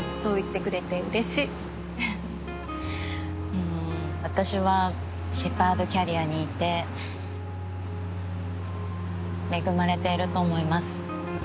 うん私はシェパードキャリアにいて恵まれていると思います。